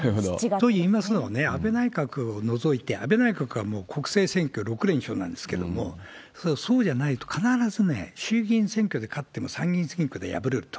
といいますのもね、安倍内閣を除いて、安倍内閣はもう国政選挙６連勝なんですけれども、そうじゃないと必ずね、衆議院選挙で勝っても参議院選挙で敗れると。